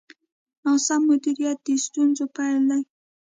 ناسم مدیریت د ستونزو پیل دی.